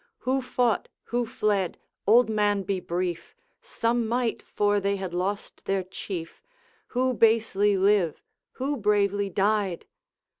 'Who fought? who fled? Old man, be brief; Some might, for they had lost their Chief. Who basely live? who bravely died?'